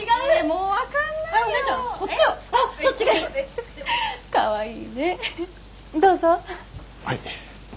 はい。